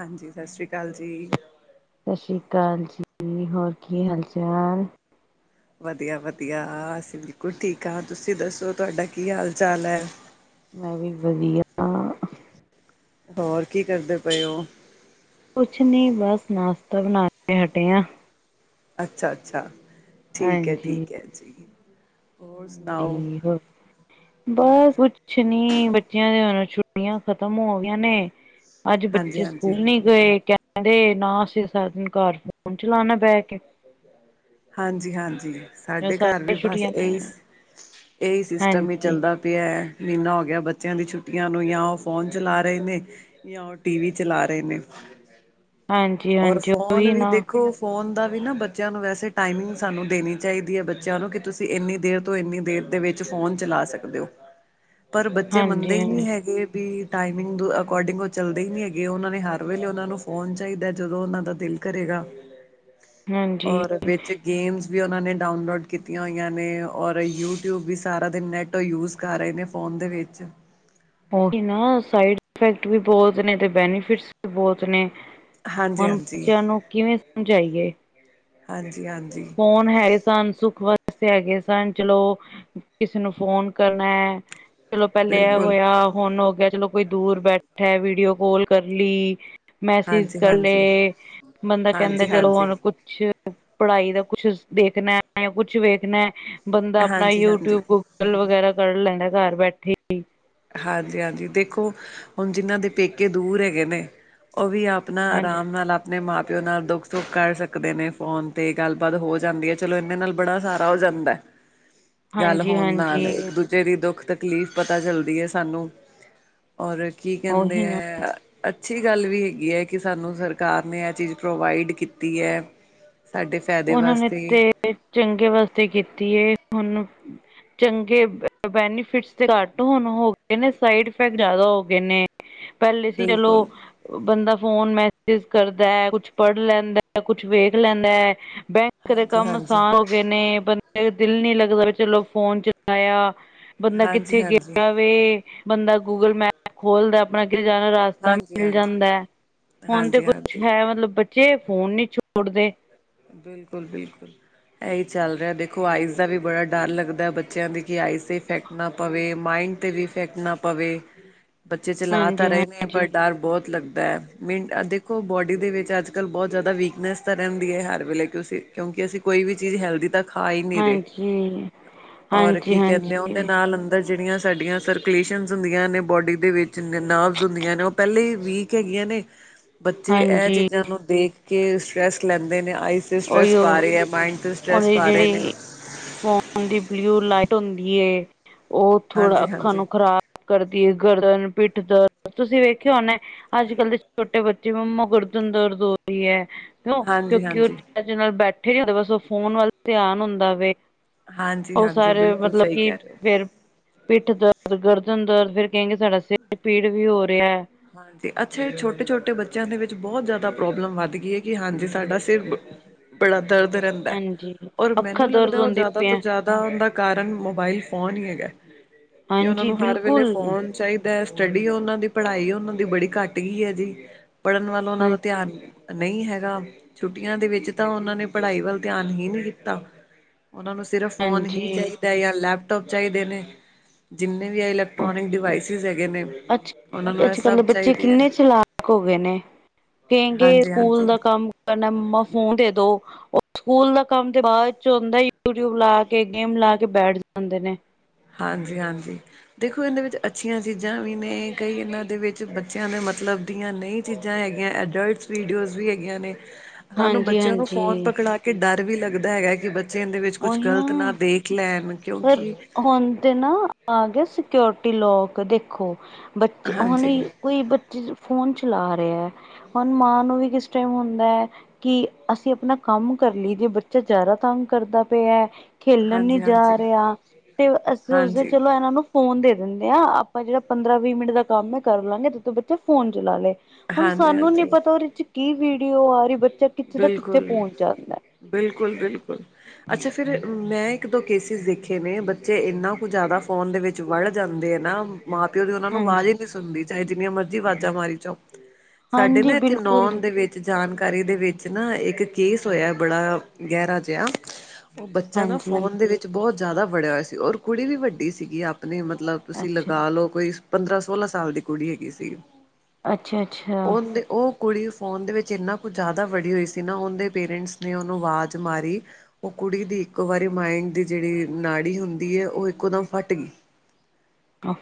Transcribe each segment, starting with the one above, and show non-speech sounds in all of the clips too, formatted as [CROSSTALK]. ਹਾਂਜੀ, ਸਤਿ ਸ਼੍ਰੀ ਅਕਾਲ ਜੀ। ਸਤਿ ਸ਼੍ਰੀ ਅਕਾਲ ਜੀ, ਹੋਰ ਕੀ ਹਾਲ ਚਾਲ। ਵਧੀਆ-ਵਧੀਆ, ਅਸੀਂ ਬਿਲਕੁਲ ਠੀਕ ਹਾਂ ਤੁਸੀਂ ਦੱਸੋ ਤੁਹਾਡਾ ਕੀ ਹਾਲ ਚਾਲ ਐ। ਮੈਂ ਵੀ ਵਧੀਆ। ਹੋਰ ਕੀ ਕਰਦੇ ਪਏ ਉਹ। ਕੁਛ ਨੀ ਬਸ ਨਾਸ਼ਤਾ ਬਣਾ ਕੇ ਹਟਿਆ। ਅੱਛਾ- ਅੱਛਾ ਠੀਕ ਹੈ, ਹਾਂਜੀ ਠੀਕ ਹੈ ਜੀ। ਹੋਰ ਸੁਣਾਓ [UNINTELLIGIBLE] ਤੇ ਬਸ ਕੁ ਕੁਛ ਨੀ ਬੱਚਿਆਂ ਦੀਆ ਹੁਣ ਛੁੱਟੀਆਂ ਖਤਮ ਹੋ ਗਈਆਂ ਨੇ ਅੱਜ ਹਾਂਜੀ ਬੱਚੇ ਹਾਂਜੀ ਸਕੂਲ ਨੀ ਗਏ ਕਹਿੰਦੇ, ਨਾ ਅਸੀਂ ਸਾ ਦਿਨ ਕਾਰ ਫੋਨ ਚਲਾਣਾ ਬਹਿ ਕੇ ਹਾਂਜੀ-ਹਾਂਜੀ। ਜੋ ਸਾਡੇ ਕਾਰ ਸਾਰੇ ਵੀ ਬਸ ਛੁੱਟੀਆਂ ਇਹੀ, ਨੇ। ਇਹੀ ਸਿਸਟਮ ਹੀ ਹਾਂਜੀ ਚੱਲਦਾ ਪਿਆ, ਮਹੀਨਾ ਹੋ ਗਿਆ ਬੱਚਿਆਂ ਦੀ ਛੁੱਟੀਆਂ ਨੂੰ ਜਾਂ ਉਹ ਫੋਨ ਚਲਾ ਰਹੇ ਨੇ, ਤੇ ਯਾ ਉਹ ਟੀ-ਵੀ ਚਲਾ ਰਹੇ ਨੇ। ਹਾਂਜੀ ਔਰ ਹਾਂਜੀ ਫੋਨ ਉਹੀ ਵੀ ਨਾ ਦੇਖੋ ਫ਼ੋਨ ਦਾ ਵੀ ਨਾ ਬੱਚਿਆਂ ਨੂੰ ਵੈਸੇ ਟਾਈਮਿੰਗ ਸਾਨੂੰ ਦੇਣੀ ਚਾਹੀਦੀ ਐ, ਬੱਚਿਆਂ ਨੂੰ ਕਿ ਤੁਸੀਂ ਇੰਨੀ ਦੇਰ ਤੋਂ ਇੰਨੀ ਦੇਰ ਦੇ ਵਿੱਚ ਫੋਨ ਚਲਾ ਸਕਦੇ ਹੋ, ਪਰ ਬੱਚੇ ਮੰਨਦੇ ਹਾਂਜੀ ਹੀ ਨਹੀਂ ਹਾਂਜੀ ਹੈਗੇ ਵੀ ਟਾਈਮਿੰਗ ਦੁ ਅਕੋਰਡਿੰਗ ਉਹ ਚੱਲਦੇ ਹੀ ਨੀ ਹੈਗੇ ਉਹਨਾਂ ਨੇ ਹਰ ਵੇਲੇ ਉਹਨਾਂ ਨੂੰ ਫੋਨ ਚਾਹੀਦਾ ਜਦੋਂ ਉਹਨਾਂ ਦਾ ਦਿਲ ਕਰੇਗਾ, ਹਾਂਜੀ ਔਰ ਵਿੱਚ ਗੇਮਸ ਵੀ ਉਹਨਾਂ ਨੇ ਡਾਊਨਲੋਡ ਕੀਤੀਆਂ ਹੋਈਆਂ ਨੇ, ਔਰ ਯੂ ਟਿਊਬ ਵੀ ਸਾਰਾ ਦਿਨ ਨੈੱਟ ਯੂਜ਼ ਕਾਰ ਆਏ ਨੇ ਫੋਨ ਦੇ ਵਿੱਚ ਉਹੀ ਨਾ ਸਾਈਡ ਇਫੈਕਟ ਵੀ ਬੋਤ ਨੇ ਤੇ ਬੈਨੀਫਿਟਸ ਵੀ ਬੋਤ ਨੇ। ਹਾਂਜੀ ਹੁਣ ਹਾਂਜੀ ਬੱਚਿਆਂ ਨੂੰ ਕਿਵੇਂ ਸਮਝਾਈਏ ਹਾਂਜੀ-ਹਾਂਜੀ। ਫੋਨ ਹੈਗੇ ਸਨ, ਸੁੱਖ ਵਸ ਹੈਗੇ ਸਨ ਚਲੋ ਕਿਸੇ ਨੂੰ ਫੋਨ ਕਰਨੈ ਚਲੋ ਪਹਿਲੇ ਇਹ ਬਿਲਕੁਲ ਹੋਇਆ, ਹੁਣ ਹੋ ਗਿਆ, ਚਲੋ ਕੋਈ ਦੂਰ ਬੈਠਾ ਵੀਡੀਓ ਕਾਲ ਕਰ ਲਈ ਮੈਸੇਜ ਹਾਂਜੀ ਕਰ ਹਾਂਜੀ ਲਏ, ਬੰਦਾ ਕਹਿੰਦਾ ਹਾਂਜੀ ਚਲੋ ਹਾਂਜੀ ਹੁਣ ਕੁਛ ਪੜ੍ਹਾਈ ਦਾ ਕੁਛ ਦੇਖਣਾ ਜਾਂ ਕੁਛ ਵੇਖਣਾ ਬੰਦਾ ਆਪਣਾ ਹਾਂਜੀ ਹਾਂਜੀ ਯੂਟਿਊਬ ਕੋ ਲ ਵਗੈਰਾ ਕੱਢ ਲੈਂਦਾ ਕਾਰ ਬੈਠੇ ਹੀ। ਹਾਂਜੀ-ਹਾਂਜੀ, ਦੇਖੋ ਹੁਣ ਜਿਹਨਾਂ ਦੇ ਪੇਕੇ ਦੂਰ ਹੈਗੇ ਨੇ ਉਹ ਵੀ ਆਪ ਆਪਣਾ ਹਾਂਜੀ ਆਰਾਮ ਨਾਲ ਆਪ ਆਪਣੇ ਮਾਂ ਪਿਓ ਨਾਲ ਦੁੱਖ ਸੁੱਖ ਕਰ ਸਕਦੇ ਨੇ ਫੋਨ ਤੇ, ਗੱਲਬਾਤ ਹੋ ਜਾਂਦੀ ਐ। ਚਲੋ ਇੰਨੇ ਨਾਲ ਬੜਣਾ ਸਾਰਾ ਹੋ ਜਾਂਦਾ, ਗੱਲ ਹਾਂਜੀ ਹੋਣ ਨਾਲ ਹਾਂਜੀ ਇੱਕ ਦੂਜ ਜਿਹੜੀ ਦੁੱਖ ਤਕਲੀਫ਼ ਪਤਾ ਚੱਲਦੀ ਐ ਸਾਨੂੰ ਔਰ ਕੀ ਕਹਿੰਦੇ ਉਹੀ ਨਾ ਐ। ਅੱਛੀ ਗੱਲ ਵੀ ਹੈਗੀ ਐ ਕਿ ਸਾਨੂੰ ਸਰਕਾਰ ਨੇ ਆਹ ਚੀਜ਼ ਪ੍ਰੋਵਾਈਡ ਕੀਤੀ ਐ। ਸਾਡੇ ਫਾਇਦੇ ਉਹਨਾਂ ਨੇ ਵਾਸਤੇ ਤੇ ਚੰਗੇ ਵਾਸਤੇ ਕੀਤੀ ਐ ਹੁਣ ਚੰਗੇ ਬੈਨੀਫਿਟਸ ਘੱਟ ਹੁਣ ਹੋ ਗਏ ਨੇ, ਸਾਈਡ ਇਫੈਕਟ ਜ਼ਿਆਦਾ ਹੋ ਗਏ ਨੇ। ਹ [UNINTELLIGIBLE] ਪਹਿਲੇ ਸੀ ਚਲੋ। ਬੰਦਾ ਫੋਨ ਮੈਸੇਜ ਕਰਦਾ ਕੁਛ ਪੜ੍ਹ ਲੈਂਦਾ ਕੁਛ ਵੇਖ ਲੈਂਦਾ ਬੈਂ ਕਦੇ ਹਾਂਜੀ ਕੰਮ ਹਾਂਜੀ ਆਸਾਨ ਹੋ ਗਏ ਨੇ ਬੰਦੇ ਦਿਲ ਨੀ ਲੱਗਦਾ ਚਲੋ ਫੋਨ ਚਲਾਇਆ। ਬੰਦਾ ਹਾਂਜੀ ਕਿੱਥੇ ਹਾਂਜੀ ਗਿਆ ਵੇ ਬੰਦਾ ਗੂਗਲ ਮੈਪ ਖੋਲਦਾ ਆਪਣਾ ਕੀਤੇ ਜਾਣਾ। ਰਸਤਾ ਹਾਂਜੀ ਮਿਲ ਹਾਂਜੀ ਜਾਂਦਾ ਐ ਹੁਣ ਤੇ ਕੁਛ ਹਾਂਜੀ-ਹਾਂਜੀ, ਐ ਮਤਲਬ ਬੱਚੇ ਫੋਨ ਨੀ ਛੋੜਦੇ। ਬਿਲਕੁਲ ਬਿਲਕੁਲ, ਇਹੀ ਚੱਲ ਰਿਹਾ ਦੇਖੋ ਆਈਜ਼ ਦਾ ਵੀ ਬੜਾ ਡਰ ਲੱਗਦਾ ਬੱਚਿਆਂ ਦੀ ਕਿ ਆਈਜ਼ ਇਫੈਕਟ ਨਾ ਪਵੇ ਮਾਈਂਡ ਤੇ ਵੀ ਇਫੈਕਟ ਨਾ ਪਵੇ। ਬੱਚੇ ਚਲਾ ਤਾਂ ਹਾਂਜੀ ਰਹੇ ਨੇ ਪਰ ਹਾਂਜੀ ਡਰ ਬਹੁਤ ਲੱਗਦਾ ਹੈ। ਮ ਦੇਖੋ ਬੋਡੀ ਦੇ ਵਿੱਚ ਅੱਜ ਕੱਲ੍ਹ ਬਹੁਤ ਜ਼ਿਆਦਾ ਵੀਕਨੈਸ ਤਾਂ ਰਹਿੰਦੀ ਹੈ ਹ। ਵੇਲੇ ਤੁਸੀ, ਕਿਉਂਕਿ ਅਸੀਂ ਕੋਈ ਵੀ ਚੀਜ਼ ਹੈਲਦੀ ਤੱਕ,, ਖਾ ਹੀ ਨਹੀਂ ਰਹੇ। ਹਾਂਜੀ ਔਰ ਹਾਂਜੀ ਕੀ ਕਹਿੰਦੇ ਐ। ਦੇ ਹਾਂਜੀ ਨਾਲ ਅੰਦਰ ਜਿਹੜੀਆਂ ਸਾਡੀਆਂ ਸਰਕੂਲੇਸ਼ਨਸ ਹੁੰਦੀਆਂ ਨੇ ਬੋਡੀ ਦੇ ਵਿੱਚ ਨਰਵਜ਼ ਹੁੰਦੀਆਂ ਨੇ ਉਹ। ਪਹਿਲੇ ਵੀਕ ਹੈਗੀਆਂ ਨੇ। ਬੱਚੇ ਇਹ ਹਾਂਜੀ ਚੀਜ਼ਾਂ ਨੂੰ ਦੇਖ ਕੇ ਸਟਰ੍ਰੈਸ ਲੈਂਦੇ ਨੇ ਆਈ ਸਟਰ੍ਰੈਸ ਉਹੀਓ ਪਾ ਰਹੀ ਐ, ਮਾਇੰਡ ਤੇ ਸਟ੍ਰੈਸ ਉਹਦੀ ਪਾ ਰਹੇ ਨੇ। ਜਿਹੜੀ ਦੀ ਬਲਿਊ ਲਾਈਟ ਹੁੰਦੀ, ਉਹ ਥੋੜਾ ਹਾਂਜੀ ਅੱਖਾਂ ਹਾਂਜੀ ਨੂੰ ਖ਼ਰਾਬ ਕਰਦੀ ਐ, ਗਰਦਨ, ਪਿੱਠ ਦਰ, ਤੁਸੀਂ ਵੇਖਿਆ ਹੋਨਾ ਅੱਜ ਕੱਲ ਦੇ ਛੋਟੇ ਬੱਚੇ ਜਿਵੇਂ ਮ ਗਰਦਨ ਦਰਦ ਹੋ ਰਹੀ ਏ ਕਿਉ ਹਾਂਜੀ ਕਿਉਂਕਿ ਉਹ ਹਾਂਜੀ ਇਹਦੇ ਨਾਲ ਬੈਠੇ ਰਹੋ ਬਸ ਉਹ ਫੋਨ ਵੱਲ ਧਿਆਨ ਹੁੰਦਾ ਵੇ। ਹਾਂਜੀ ਉਹ ਹਾਂਜੀ ਸਾਰੇ ਬਿਲਕੁਲ ਮਤਲਬ ਸਹੀ ਕਿ ਕਹਿ ਰਹੇ ਹੋ ਫੇਰ ਪਿੱਠ ਦਰਦ, ਗਰਦਨ ਦਰਦ ਫਿਰ ਕਹਿੰਗੇ ਸਾਡਾ ਸਿਰ ਪੀੜ ਵੀ ਹੋ ਰਿਹਾ। ਹਾਂਜੀ। ਅੱਛਾ, ਛੋਟੇ- ਛੋਟੇ ਬੱਚਿਆਂ ਦੇ ਵਿੱਚ ਬਹੁਤ ਜ਼ਿਆਦਾ ਪ੍ਰੋਬਲਮ ਵੱਧ ਗਈ ਹੈ। ਕਿ ਹਾਂਜੀ। ਸਾਡਾ ਬੜਾ ਦਰਦ ਰਹਿੰਦਾ। ਹਾਂਜੀ ਔਰ ਅੱਖਾਂ ਮੈਨੂੰ ਦਰਦ ਲੱਗਦਾ ਉਹ ਹੁੰਦੀ ਜ਼ਿਆਦਾ ਤੋਂ ਪਈਆਂ ਜ਼ਿਆਦਾ ਦਾ ਕਾਰਨ ਮੋਬਾਇਲ ਫੋਨ ਹੀ ਹੈਗਾ। ਕਿ ਉਹਨਾਂ ਹਾਂਜੀ ਨੂੰ ਹਰ ਵੇਲੇ ਬਿਲਕੁਲ ਫੋਨ ਚਾਹੀ ਸਟੱਡੀ ਉਹਨਾਂ ਦੀ ਪੜ੍ਹਾਈ ਉਹਨਾਂ ਦੀ ਬੜੀ ਘੱਟ ਗਈ ਹੈ ਜੀ। ਪੜ੍ਹਨ ਵੱਲ ਉਹਨਾਂ ਦਾ ਹਾਂਜੀ ਧਿਆਨ ਨਹੀਂ ਹੈਗਾ। ਛੁੱਟੀਆਂ ਦੇ ਵਿੱਚ ਤਾਂ ਉਹਨਾਂ ਨੇ ਪੜ੍ਹਾਈ ਵੱਲ ਧਿਆਨ ਹੀ ਨਹੀਂ ਕੀਤਾ। ਉਹਨਾਂ ਨੂੰ ਸਿਰਫ਼ ਫੋਨ ਹੀ ਹਾਂਜੀ ਚਾਹੀਦਾ ਜਾਂ ਲੈਪਟੋਪ ਚਾਹੀਦੇ ਨੇ। ਜਿੰਨੇ ਵੀ ਆਏ ਲੈ। ਇਲਕਟ੍ਰੋਨਿਕ ਡਿਵਾਈਸਿਸ ਹੈਗੇ ਨੇ। ਉਹਨਾਂ ਨੂੰ ਕੱਲ ਸਭ ਬੱਚੇ ਚਾਹੀਦੇ ਹੈ ਕਿੰਨੇ ਚਲਾਕ ਹੋ ਗਏ ਨੇ। ਕਿ ਹਾਂਜੀ ਸਕੂਲ ਹਾਂਜੀ ਦਾ ਕੰਮ ਕਹਿੰਦੇ ਮਮਾ ਫੂਨ ਦੇ ਦੋ। ਉਹ ਸਕੂਲ ਦਾ ਕੰਮ ਤੇ ਬਾਅਦ ਚ' ਹੁੰਦਾ। ਯੂਟਿਊਬ ਲਾ ਕੇ ਗੇਮ ਲਾ ਕੇ ਬੈਠ ਜਾਂਦੇ ਨੇ। ਹਾਂਜੀ- ਹਾਂਜੀ। ਦੇਖੋ ਇਹਦੇ ਵਿੱਚ ਅੱਛੀਆਂ ਚੀਜ਼ਾਂ ਵੀ ਨੇ। ਕਈ ਇਹਨਾਂ ਦੇ ਵਿੱਚ ਬੱਚਿਆਂ ਦੇ ਮਤਲਬ ਦੀਆਂ ਨਹੀਂ। ਚੀਜ਼ਾਂ ਹੈਗੀਆਂ ਅਡਲਟਸ ਵੀਡੀਓਜ਼ ਵੀ ਹੈਗੀਆਂ ਨੇ। ਸਾਨੂੰ ਹਾਂਜੀ ਬੱਚਿਆਂ ਨੂੰ ਫੋਨ ਹਾਂਜੀ ਪਕੜਾ ਕੇ ਕਿ ਡਰ ਵੀ ਲੱਗਦਾ ਹੈਗਾ। ਕਿ ਬੱਚੇ ਇਹਦੇ ਵਿੱਚ ਕੁਛ ਗ਼ਲਤ ਨਾ ਦੇਖ ਲੈਣ। ਪਰ ਕਿਉਂਕਿ ਹੁਣ ਤੇ ਨਾ ਆ ਗਿਆ ਸਿਓਰਟੀ ਲੋਕ ਦੇਖੋ। ਬੱਚੇ ਹੁਣ ਹਾਂਜੀ, ਕੋਈ ਬੱਚੇ ਫੋਨ ਚਲਾ ਰਿਹਾ ਹੈ। ਹੁਣ ਮਾਂ ਨੂੰ ਵੀ ਕਿਸ ਟਾਈਮ ਹੁੰਦਾ ਹੈ। ਕਿ ਅਸੀਂ ਆਪਣਾ ਕੰਮ ਕਰ ਲਈ ਜੇ ਬੱਚਾ ਜ਼ਿਆਦਾ ਤੰਗ ਕਰਦਾ ਪਿਆ। ਖੇਲਣ ਨੀ ਜਾ ਹਾਂਜੀ-ਹਾਂਜੀ, ਰਿਹਾ। ਤੇ ਅਸੀਂ ਉਸਦੇ ਹਾਂਜੀ, ਚਲੋ ਇਹਨਾਂ ਨੂੰ ਫੋਨ ਦੇ ਦਿੰਦੇ ਆ। ਆਪਾਂ ਜਿਹੜਾ ਪੰਦਰਾਂ- ਵੀਹ ਮਿੰਟ ਦਾ ਕੰਮ ਹੈ ਕਰ ਲਾਂਗੇ। ਤੇੋਂ ਬੱਚਾ ਫੋਨ ਚਲਾ ਲਏ। ਹੁਣ ਸਾਨੂੰ ਨੀ ਹਾਂਜੀ-ਹਾਂਜੀ ਪਤਾ ਉਹਦੇ ਚ ਕੀ ਵੀਡੀਓ ਆ ਰਹੀ ਬੱਚਾ ਕਿੱਥੇ ਦਾ ਕਿੱਥੇ ਬਿਲਕੁਲ ਪਹੁੰਚ ਜਾਂਦਾ। ਬਿਲਕੁਲ- ਬਿਲਕੁਲ ਅੱਛਾ। ਫੇਰ ਮੈਂ ਇੱਕ ਦੋ ਕੇਸਿਸ ਦੇਖੇ ਨੇ। ਬੱਚੇ ਇੰਨਾ ਕੁ ਜ਼ਿਆਦਾ ਫੋਨ ਦੇ ਵਿੱਚ ਵਲ ਜਾਂਦੇ ਨਾ। ਮਾਂ- ਪਿਓ ਦੀ ਉਹਨਾਂ ਨੂੰ ਆਵਾਜ਼ ਹੀ ਹਾਂਜੀ ਨਹੀਂ ਸੁਣਦੀ। ਚਾਹੇ ਜਿੰਨੀਆਂ ਮਰਜ਼ੀ ਆਵਾਜ਼ਾਂ ਮਾਰੀ ਜਾਉ। ਸਾਡੇ ਹਾਂਜੀ ਨਾ ਇੱਥੇ ਬਿਲਕੁਲ ਨੌਨ ਜੀ ਦੇ ਵਿੱਚ ਜਾਣਕਾਰੀ ਦੇ ਵਿੱਚ ਨਾ ਇੱਕ ਕੇਸ ਹੋਇਆ ਬੜਾ ਗਹਿਰਾ ਜਿਹਾ। ਉਹ ਬੱਚਾ ਨਾ ਹਾਂਜੀ ਫੋਨ ਦੇ ਵਿੱਚ ਬਹੁਤ ਜ਼ਿਆਦਾ ਵੜਿਆ ਹੋਇਆ ਸੀ। ਔਰ ਕੁੜੀ ਵੀ ਵੱਡੀ ਸੀਗੀ ਆਪਣੀ ਮਤਲਬ। ਤੁਸੀਂ ਅੱਛਾ ਲਗਾ ਲਓ, ਕੋਈ ਪੰਦਰਾਂ- ਸੋਲਾਂ ਸਾਲ ਦੀ ਕੁੜੀ ਹੈਗੀ ਸੀਗੀ। ਅੱਛਾ- ਅੱਛਾ। ਉਹ ਕੁੜੀ ਫੋਨ ਦੇ ਵਿੱਚ ਇੰਨਾ ਕੁਝ ਜ਼ਿਆਦਾ ਵੜੀ ਹੋਈ ਸੀ ਨਾ ਉਹਦੇ ਪੇਰੈਂਟਸ ਨੇ ਉਹਨੂੰ ਆਵਾਜ਼ ਮਾਰੀ। ਉਹ ਕੁੜੀ ਦੀ ਇੱਕੋ ਵਾਰੀ ਮਾਇੰਡ ਦੀ ਜਿਹੜੀ ਨਾੜੀ ਹੁੰਦੀ ਹੈ ਉਹ ਇੱਕੋ ਦਮ ਫਟ ਗਈ।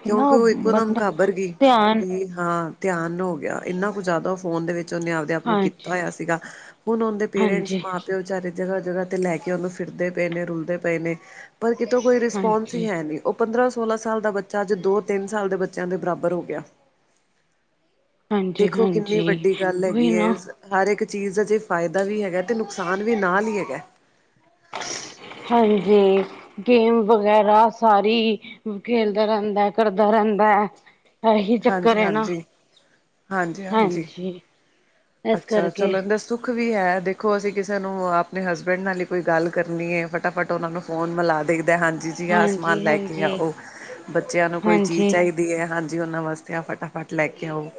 ਕਿਉਂਕਿ ਉਹ ਇੱਕੋ ਦਮ ਕਾਬਰ ਗਈ। ਧਿਆਨ ਵੀ ਹਾਂ। ਧਿਆਨ ਹੋ ਗਿਆ। ਇੰਨਾ ਕੁ ਜ਼ਿਆਦਾ ਉਹ ਫੋਨ ਦੇ ਵਿੱਚ ਉਹਨੇ ਆਪਦੇ ਆਪ ਨੂੰ ਕੀਤਾ। ਹਾਂਜੀ, ਹੋਇਆ ਸੀਗਾ। ਹੁਣ ਉਹਦੇ ਪੇਰੈਂਟਸ ਹਾਂਜੀ, ਮਾਂ- ਪਿਓ ਵਿਚਾਰੇ ਜਗ੍ਹਾ -ਜਗ੍ਹਾ ਤੇ ਲੈ ਕੇ ਉਹਨੂੰ ਫਿਰਦੇ ਪਏ ਨੇ ਰੁਲਦੇ ਪਏ ਨੇ। ਪਰ ਕਿਤੋਂ ਕੋਈ ਰਿਸਪੋਂਸ ਹਾਂਜੀ, ਹੀ ਹੈ ਨਹੀਂ। ਉਹ ਪੰਦਰਾਂ- ਸੋਲਾਂ ਸਾਲ ਦਾ ਬੱਚਾ ਅੱਜ ਦੋ- ਤਿੰਨ ਸਾਲ ਦੇ ਬੱਚਿਆਂ ਦੇ ਬਰਾਬਰ ਹੋ ਗਿਆ। ਹਾਂਜੀ, ਦੇਖੋ, ਕਿੰਨੀ ਹਾਂਜੀ। ਵੱਡੀ ਗੱਲ ਉਹੀ ਹੈਗੀ ਹੈ। ਨਾ ਹਰ ਇੱਕ ਚੀਜ਼ ਦਾ ਜੇ ਫ਼ਾਇਦਾ ਵੀ ਹੈਗਾ ਅਤੇ ਨੁਕਸਾਨ ਵੀ ਨਾਲ ਹੀ ਹੈਗਾ। [UNINTELLIGIBLE] ਹਾਂਜੀ। ਗੇਮ ਵਗੈਰਾ, ਸਾਰੀ ਖੇਲਦਾ ਰਹਿੰਦਾ ਏ, ਕਰਦਾ ਰਹਿੰਦਾ ਹੈ। ਇਹੀ, ਚੱਕਰ ਹਾਂਜੀ ਹੈ ਨਾ। ਹਾਂਜੀ ਹਾਂਜੀ- ਹਾਂਜੀ, ਇਸ ਅੱਛਾ। ਕਰਕੇ ਚਲੋ ਦ- ਸੁੱਖ ਵੀ ਹੈ। ਦੇਖੋ ਅਸੀਂ, ਕਿਸੇ ਨੂੰ ਆਪਣੇ ਹਸਬੈਂਡ ਨਾਲ ਹੀ, ਕੋਈ ਗੱਲ ਕਰਨੀ ਹੈ, ਫਟਾਫਟ। ਤੋਂ ਉਹਨਾਂ ਨੂੰ, ਫੋਨ ਮਿਲਾ ਦਣੀ ਦਾ ਹੈ। ਹਾਂਜੀ। ਜੀ ਆ ਸਮਾਨ, ਲੈ ਕੇ ਹਾਂਜੀ-ਹਾਂਜੀ। ਹਾਂਜੀ, ਆਔ। ਬੱਚਿਆਂ ਨੂੰ ਕੋਈ ਚੀਜ਼ ਹਾਂਜੀ ਚਾਹੀਦੀ ਹੈ। ਹਾਂਜੀ, ਉਹਨਾਂ ਵਾਸਤੇ। ਤੇ ਆ ਫਟਾਫਟ ਲੈ ਕੇ ਆਓ।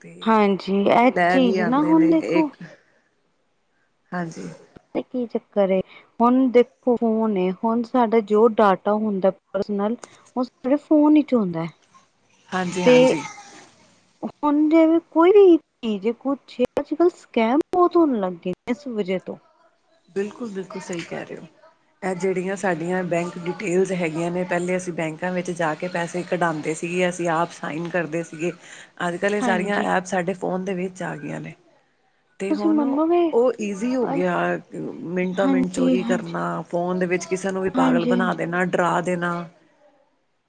ਤੇ ਹਾਂਜੀ ਇਹ ਲੈ ਵੀ ਚੀਜ਼ ਨਾ ਆਉਂਦੇ ਹੁਣ ਨੇ, ਦੇਖੋ ਇੱਕ। ਹਾਂਜੀ। ਤੇ, ਕੀ ਚੱਕਰ ਏ। ਹੁਣ ਦੇਖੋ ਫੋਨ ਏ। ਹੁਣ ਸਾਡਾ ਜੋ, ਡਾਟਾ ਹੁੰਦਾ, ਪਰਸਨਲ। ਉ ਸਿਰਫ ਫੋਨ ਵਿਚ ਆਉਂਦਾ ਏ। ਹਾਂਜੀ ਤੇ। [INAUDIBLE] ਹੁਣ, ਜਿਵੇਂ ਕੋਈ ਵੀ। ਜੇ ਕੁੱਛ ਅੱਜ ਕੱਲ, ਸਕੈਮ ਬਹੁਤ ਹੋਣ ਲੱਗਗੇ। ਇਸ ਵਜੇ ਤੋਂ। ਬਿਲਕੁਲ- ਬਿਲਕੁਲ, ਸਹੀ ਕਹਿ ਰਹੇ ਹੋ। ਇਹ, ਜਿਹੜੀਆਂ ਸਾਡੀਆਂ, ਬੈਂਕ ਡਿਟੇਲਸ ਹੈਗੀਆਂ, ਨੇ ਪਹਿਲੇ ਅਸੀਂ, ਬੈਂਕਾਂ ਵਿੱਚ ਜਾ ਕੇ। ਕੇ, ਪੈਸੇ ਕਢਾਉਂਦੇ ਸੀ। ਅਸੀਂ, ਆਪ ਸਾਈਨ ਕਰਦੇ ਸੀਗੇ। ਅੱਜ ਕੱਲ, ਇਹ ਸਾਰੀਆਂ ਹਾਂਜੀ ਐਪ, ਸਾਡੇ ਫੋਨ ਦੇ ਵਿੱਚ, ਆ ਗਈਆਂ ਨੇ। ਤੇ ਤੁਸੀਂ ਹੁਣ, ਮੰਨੋਗੇ ਉਹ, ਈਜ਼ੀ ਹੋ ਗਿਆ। ਮਿੰਟੋ- ਮਿੰਟ, ਹਾਂਜੀ ਹਾਂਜੀ ਚੋਰੀ ਹਾਂਜੀ ਕਰਨਾ, ਫੋਨ ਦੇ ਵਿੱਚ, ਕਿਸੇ ਨੂੰ ਵੀ ਪਾਗਲ ਬਣਾ ਹਾਂਜੀ ਦੇਣਾ, ਡਰਾ ਦੇਣਾ।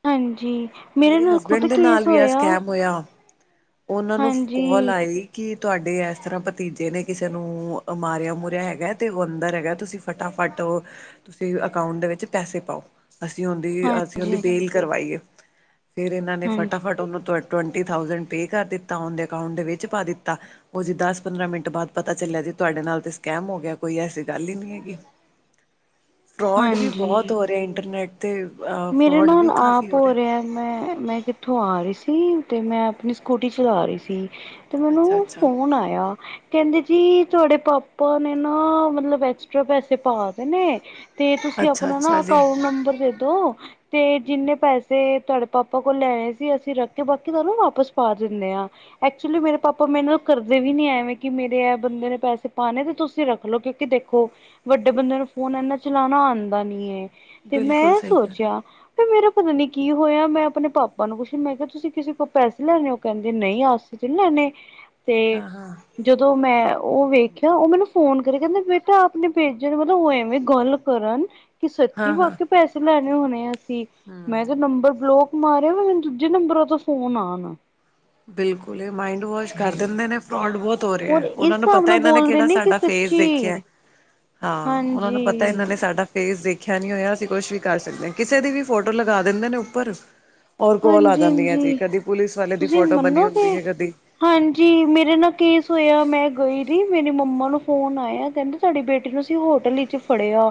ਹਾਂਜੀ। ਮੇਰੇ ਨਾਲ ਖੁਦ ਹਸਬੈਂਡ, ਦੇ ਨਾਲ ਕੇਸ ਵੀ, ਆਹ ਹੋਇਆ ਸਕੈਮ ਹੋਇਆ। ਉਹਨਾਂ ਨੂੰ, ਫੋ ਹਾਂਜੀ ਕੋਲ ਆਈ। ਕੀ ਤੁਹਾਡੇ, ਇਸ ਤਰਾਂ ਭਤੀਜੇ, ਨੇ ਕਿਸੇ ਨੂੰ, ਮਾਰਿਆ- ਮੁਰਿਆ, ਹੈਗਾ ਤੇ, ਉਹ ਅੰਦਰ ਹੈਗਾ। ਤੁਸੀਂ- ਫਟਾਫਟ। ਤੁਸੀਂ ਅਕਾਊਂਟ, ਦੇ ਵਿੱਚ ਪੈਸੇ ਪਾਓ। ਅਸੀਂ ਉਹਦੀ, ਅਸੀਂ ਉਹਦੀ ਹਾਂਜੀ ਬੇਲ ਕਰਵਾਈ ਏ। ਫੇਰ ਇਹਨਾਂ ਨੇ, ਹਾਂਜੀ ਫਟਾਫਟ ਉਹਨੂੰ, ਟਵੰਟੀ ਥਾਊਸੈਂਡ, ਪੇ ਕਰ ਦਿੱਤਾ। ਉਹਦੇ ਅਕਾਊਂਟ ਦੇ ਵਿੱਚ ਪਾ ਦਿੱਤਾ। ਉਹ ਜੀ, ਦਸ, ਪੰਦਰਾਂ ਮਿੰਟ ਬਾਅਦ, ਪਤਾ ਚੱਲਿਆ ਜੀ। ਤੁਹਾਡੇ ਨਾਲ ਤੇ, ਸਕੈਮ ਹੋ ਗਿਆ। ਕੋਈ ਐਸੀ, ਗੱਲ ਹੀ ਨਹੀਂ ਹੈਗੀ। [INAUDIBLE] ਫਰੋਡ ਵੀ, ਹਾਂਜੀ ਬਹੁਤ ਹੋ ਰਿਹਾ, ਇੰਟਰਨੈਟ ਤੇ। ਅ ਮੇਰੇ ਫਰੋਡ ਵੀ ਨਾਲ ਕਾਫੀ ਆਪ ਹੋ ਰਿਹਾ। ਮੈਂ, ਮੈਂ ਕਿੱਥੋਂ ਆ ਰਹੀ ਸੀ। ਤੇ, ਮੈਂ ਆਪਣੀ ਸਕੂਟੀ, ਚਲਾ ਰਹੀ ਸੀ। ਤੇ, ਅੱਛਾ ਮੈਨੂੰ, ਅੱਛਾ ਫੋਨ ਆਇਆ। ਕਹਿੰਦੇ ਜੀ, ਤੁਹਾਡੇ ਪਾਪਾ ਨੇ, ਨਾ ਮਤਲਬ ਐਕਸਟਰਾ ਪੈਸੇ, ਪਾ ਦੇ ਨੇ। ਤੇ, ਤੁਸੀਂ ਅੱਛਾ ਆਪਣਾ, ਨਾ ਅੱਛਾ ਜੀ ਅਕਾਊਂਟ ਨੰਬਰ ਦੇਦੋ। ਤੇ ਜਿੰਨੇ ਪੈਸੇ, ਤੁਹਾਡੇ ਪਾਪਾ ਕੋਲ ਲੈਣੇ ਸੀ। ਅਸੀਂ ਰੱਖ ਕੇ, ਬਾਕੀ ਤੁਹਾਨੂੰ ਵਾਪਸ, ਪਾ ਦਿੰਦੇ ਹਾਂ। ਐਕਚੁਲੀ ਮੇਰੇ ਪਾਪਾ, ਮੈਰੇ ਨਾਲ, ਕਰਦੇ ਵੀ ਨੀ ਐਵੇਂ। ਕਿ ਮੇਰੇ ਬੰਦੇ ਨੇ ਪੈਸੇ ਪਾਣੇ। ਤੇ ਤੁਸੀਂ ਰੱਖ ਲਓ। ਕਿਉਂ- ਕਿ ਦੇਖੋ, ਵੱਡੇ ਬੰਦੇ ਨੂੰ, ਫੋਨ ਇਨਾ ਚਲਾਉਣਾ, ਆਉਂਦਾ ਨੀ ਹੈ। ਤੇ ਬਿਲਕੁਲ ਮੈਂ, ਸਹੀ ਸੋਚ- ਕਹਿ ਰਹੇ ਫੇਰ, ਮੇਰਾ ਪਤਾ ਨੀ ਕੀ ਹੋਇਆ। ਮੈਂ ਆਪਣੇ ਪਾਪਾ ਨੂੰ ਕੁੱਛ, ਮੈਂ ਕਿਹਾ ਤੁਸੀਂ, ਕਿਸੇ ਕੋਲ ਪੈਸੇ ਲੈਣੇ ਹੈ। ਔ ਕਹਿੰਦੇ ਨਹੀਂ। ਆਸ- [INAUDIBLE] [INAUDIBLE] ਤੇ। ਹਾਂ ਜਦੋਂ ਮੈਂ, ਉਹ ਵੇਖਿਆ, ਉਹ ਮੈਨੂੰ ਫੋਨ ਕਰੀ ਜਾਂਦੇ। ਕਹਿੰਦੇ, ਬੇਟਾ ਆਪਣੇ ਬੇਜੇ ਨੀ। ਮਤਲਬ ਔ ਐਵੇਂ ਗੱਲ- ਕਰਨ, ਕਿ ਸੱਚੀ ਹਾਂ-ਹਾਂ। ਵਾਕੇਯ ਪੈਸੇ ਲੈ ਰੇਓ, ਹੋਣੇ ਅਸੀਂ। ਮੈਂ ਤਾਂ, ਨੰਬਰ ਬਲੋਕ। ਮਾਰਿਆ। ਮੈਨੂੰ ਦੂਜੇ, ਨੰਬਰਾਂ ਤੋਂ ਫੋਨ ਆਨ। ਬਿਲਕੁਲ। ਇਹ, ਮਾਇੰਡ ਵਾਸ਼ ਕਰ ਦਿੰਦੇ ਨੇ। ਫਰੋਡ ਬਹੁਤ। ਤੋ ਹੋਰ ਰਿਆ। ਇਸ ਉਹਨਾਂ ਨੂੰ, ਹਿਸਾਬ ਪਤਾ ਨਾਲ ਇਹਨਾਂ ਨੇ, ਬੋਲਦੇ ਕਿਹੜਾ ਕਿ ਸਾਡਾ ਫੇਸ ਸੱਚੀ ਦੇਖਿਆ। ਹਾਂ। ਉਹਨਾਂ ਹਾਂਜੀ ਨੂੰ, ਪਤਾ ਇਹਨਾਂ ਨੇ, ਸਾਡਾ। ਫੇਸ ਦੇਖਿਆ ਨੀ ਹੋਇਆ। ਅਸੀਂ ਕੁਛ ਵੀ ਕਰ ਸਕਦੇ ਹਾਂ। ਕਿਸੇ ਦੀ ਵੀ, ਫੋਟੋ ਲਗਾ ਦਿੰਦੇ ਨੇ ਉੱਪਰ। ਔਰ ਕੋਲ, ਆ ਹਾਂਜੀ ਜਾਂਦੀਆਂ ਜੀ। ਹਾਂਜੀ ਕਦੀ ਪੁਲਿਸ ਵਾਲੇ ਦੀ। ਤੁਸੀਂ ਫੋਟੋ ਬਣੀ ਹੁੰਦੀ ਮੰਨੋਗੇ ਹੈ ਕਦੀ ਹਾਂਜੀ ਮੇਰੇ ਨਾਲ ਕੇਸ ਹੋਇਆ ਮੈਂ ਗਈ ਸੀ ਮੇਰੀ ਮੰਮਾ ਨੂੰ ਫੋਨ ਆਇਆ ਕਹਿੰਦੇ ਸਾਡੀ ਬੇਟੀ ਨੂੰ ਅਸੀਂ ਹੋਟਲ ਵਿੱਚ ਫੜਿਆ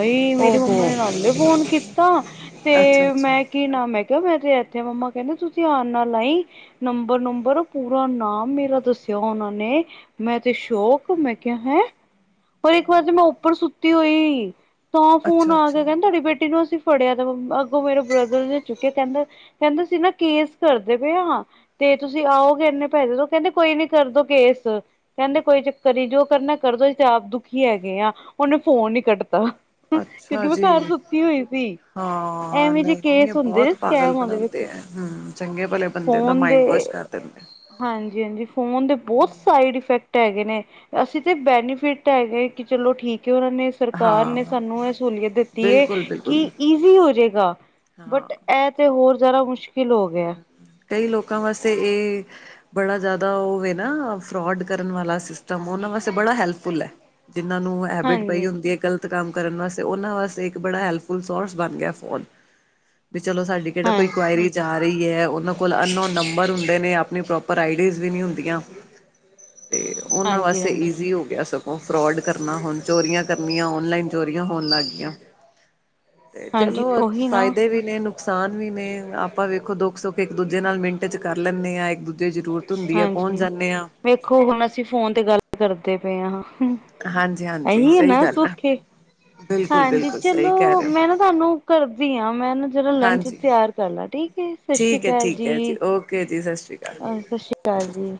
ਅਈ ਮੇਰੇ ਮੰਮਾ ਓਹੋ ਨੇ ਨਾਲੇ ਫੋਨ ਕੀਤਾ ਤੇ ਅੱਛਾ-ਅੱਛਾ। ਮੈਂ ਕੀ ਨਾ ਮੈਂ ਕਿਹਾ ਮੈਂ ਇੱਥੇ ਮੰਮਾ ਕਹਿੰਦੇ ਤੁਸੀਂ ਧਿਆਨ ਨਾਲ ਆਈ ਨੰਬਰ ਨੰਬਰ ਪੂਰਾ ਨਾਮ ਮੇਰਾ ਦੱਸਿਆ ਉਹਨਾਂ ਨੇ ਮੈਂ ਤੇ ਸ਼ੌਕ ਮੈਂ ਕਿਹਾ ਹੈ ਰ ਇੱਕ ਵਾਰ ਤੇ ਮੈਂ ਉੱਪਰ ਸੁੱਤੀ ਹੋਈ ਤਾਂ ਫੋਨ ਆ ਕੇ ਅੱਛਾ-ਅੱਛਾ, ਕਹਿੰਦੇ ਤੁਹਾਡੀ ਬੇਟੀ ਨੂੰ ਅਸੀਂ ਫੜਿਆ ਤਾਂ ਅੱਗੋਂ ਮੇਰੇ ਬ੍ਰਦਰ ਨੇ ਚੁੱਕਿਆ ਕਹਿੰਦਾ ਕਹਿੰਦਾ ਸੀ ਨਾ ਕੇਸ ਕਰਦੇ ਪਏ ਹਾਂ ਤੇ ਤੁਸੀਂ ਆਓਗੇ ਇੰਨੇ ਪੈਸੇ ਤੋਂ ਕਹਿੰਦੇ ਕੋਈ ਨੀ ਕਰਦੋ ਕੇਸ ਕਹਿੰਦੇ ਕੋਈ ਚੱਕਰ ਹੀ ਜੋ ਕਰਨਾ ਕਰਦੋ ਤੇ ਆਪ ਦੁਖੀ ਹੈਗੇ ਆ ਉਹਨੇ ਫੋਨ ਨ ਕੱਟ ਤਾ ਕਿਉਂਕਿ ਅੱਛਾ ਮੈਂ ਜੀ। ਘਰ ਸੁੱਤੀ ਹੋਈ ਸੀ ਹਾਂ ਐਵੇਂ ਜੇ ਨਹੀਂ-ਨਹੀਂ ਇਹ ਕੇਸ ਹੁੰਦੇ ਬਹੁਤ ਪਾਗਲ ਸਕੈਮ ਆਉਂਦੇ ਬਣਾਉਂਦੇ ਵੇਖੋ ਆ ਹੂ ਚੰਗੇ ਭਲੇ ਬੰਦੇ ਦਾ ਮਾਇੰਡ ਵਾਸ਼ ਕਰ ਦਿੰਦੇ ਆ ਹਾਂਜੀ ਹਾਂਜੀ ਫੋਨ ਦੇ ਬਹੁਤ ਸਾਈਡ ਇਫੈਕਟ ਹੈਗੇ ਨੇ ਅਸੀਂ ਤੇ ਬੈਨੀਫਿਟ ਹੈਗੇ ਕਿ ਚਲੋ ਠੀਕ ਹੈ ਉਹਨਾਂ ਨੇ ਸਰਕਾਰ ਨੇ ਹਾਂ ਸਾਨੂੰ ਇਹ ਸਸੂਲੀਅਤ ਦਿੱਤੀ ਹੈ ਕਿ ਬਿਲਕੁਲ-ਬਿਲਕੁਲ। ਈਜ਼ੀ ਹੋ ਜਾਏਗਾ ਹਾਂ। ਬਟ ਇਹ ਤੇ ਹੋਰ ਜ਼ਿਆਦਾ ਮੁਸ਼ਕਿਲ ਹੋ ਗਿਆ ਕਈ ਲੋਕਾਂ ਵਾਸਤੇ ਇਹ ਬੜਾ ਜ਼ਿਆਦਾ ਉਹ ਨਾ ਫਰੋਡ ਕਰਨ ਵਾਲਾ ਸਿਸਟਮ ਉਹਨਾਂ ਵਾਸਤੇ ਬੜਾ ਹੈਲਥ ਫੁੱਲ ਹੈ ਜਿਹਨਾਂ ਨੂੰ ਹੈਬਿਟ ਪਈ ਹਾਂਜੀ-ਹਾਂਜੀ। ਹੁੰਦੀ ਹੈ ਕੱਲ ਕੰਮ ਕਰਨ ਵਾਸਤੇ ਉਹਨਾਂ ਵਾਸਤੇ ਇੱਕ ਬੜਾ ਹੈਲਥ ਫੁੱਲ ਸੋਰਸ ਬਣ ਗਿਆ ਫੋਨ ਵੀ ਚਲੋ ਸਾਡੀ ਜਿੱਦਾਂ ਕੋਈ ਆਇਰੀ ਜਾ ਰਹੀ ਹੈ ਉਹਨਾਂ ਕੋਲ ਅਨਨੋਨ ਨੰਬਰ ਹੁੰਦੇ ਨੇ ਆਪਣੀ ਪ੍ਰੋਪਰ ਆਈਡੀਜ਼ ਵੀ ਨਹੀਂ ਹੁੰਦੀਆਂ ਤੇ ਉਹਨਾਂ ਹਾਂਜੀ-ਹਾਂਜੀ, ਹਾਂਜੀ ਵਾਸਤੇ ਹਾਂਜੀ ਈਜ਼ੀ ਹੋ ਗਿਆ ਸਭ ਉਹ ਫਰੋਡ ਕਰਨਾ ਹੁਣ ਚੋਰੀਆਂ ਕਰਨੀਆਂ ਔਨਲਾਈਨ ਚੋਰੀਆਂ ਹੋਣ ਲੱਗ ਗਈਆਂ ਤੇ ਹਾਂਜੀ ਚਲੋ ਅੱ ਉਹੀ ਨਾ ਫਾਇਦੇ ਵੀ ਨੇ ਨੁਕਸਾਨ ਵੀ ਨੇ ਆਪਾਂ ਵੇਖੋ ਦੁੱਖ ਸੁੱਖ ਇੱਕ ਦੂਜੇ ਨਾਲ ਮਿੰਟ ਚ ਕਰ ਲੈਂਦੇ ਹਾਂ ਇੱਕ ਦੂਜੇ ਜ਼ਰੂਰ ਧੁੰਦੀ ਆ ਪਹੁੰਚ ਹਾਂਜੀ। ਜਾਂਦੇ ਹਾਂ ਵੇਖੋ ਹੁਣ ਅਸੀਂ ਫੋਨ ਤੇ ਗੱਲ ਕਰਦੇ ਪਏ ਹਾਂ ਹਾਂਜੀ ਆ ਹਾਂਜੀ ਸਹੀ ਨਾ ਗੱਲ ਹੈ ਸੌਖੇ ਬਿਲਕੁਲ ਹਾਂਜੀ ਬਿਲਕੁਲ ਸਹੀ ਕਹਿ ਚਲੋ ਰਹੇ ਮੈਂ ਹੋ ਨਾ ਤੁਹਾਨੂੰ ਕਰਦੀ ਹਾਂ ਮੈਂ ਨਾ ਜਲਾ ਲੰਚ ਹਾਂਜੀ ਤਿਆਰ ਕਰ ਲ ਠੀਕ ਸਤਿ ਸ਼੍ਰੀ ਠੀਕ ਹੈ ਅਕਾਲ ਠੀਕ ਹੈ ਜੀ ਓਕੇ ਜੀ ਸਤਿ ਸ਼੍ਰੀ ਅਕਾਲ ਅਹ ਸਤਿ ਸ਼੍ਰੀ ਅਕਾਲ ਜੀ